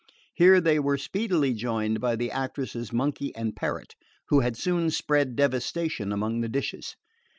Here they were speedily joined by the actress's monkey and parrot, who had soon spread devastation among the dishes.